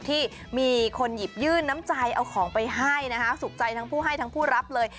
ที่มีคนหยิบยื่นน้ำใจเอาของไปให้นะคะสุขใจทั้งผู้ให้ทั้งผู้รับเลย